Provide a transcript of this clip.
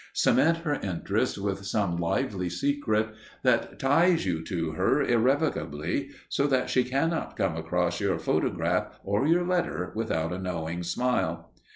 Cement her interest with some lively secret that ties you to her irrevocably, so that she cannot come across your photograph or your letter without a knowing smile.